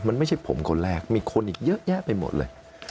มันไม่ใช่ผมคนแรกมีคนอีกเยอะแยะไปหมดเลย